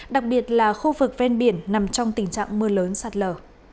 đặc biệt là khu vực ven biển nằm trong tình trạng mưa lớn sạt lở